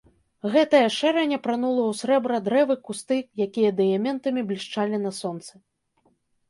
Гэтая шэрань апранула ў срэбра дрэвы, кусты, якія дыяментамі блішчалі на сонцы.